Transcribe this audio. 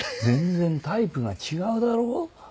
全然タイプが違うだろ。